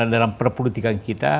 dalam per politik kita